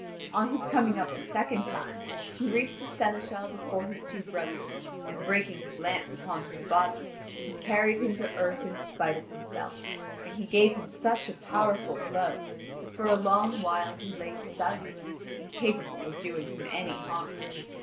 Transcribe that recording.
On his coming up the second time, he reached the seneschal before his two brothers, and breaking his lance upon his body, he carried him to earth in spite of himself, and he gave him such a powerful blow that for a long while he lay stunned, incapable of doing him any harm.